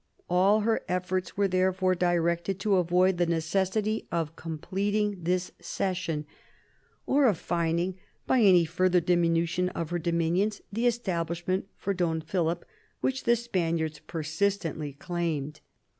All her efforts were therefore directed to avoid the necessity of com pleting this cession, or of finding by any further diminution of her dominions the establishment for Don Philip which the Spaniards persistently claimed.